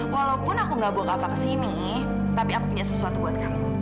walaupun aku gak bawa kapal ke sini tapi aku punya sesuatu buat kamu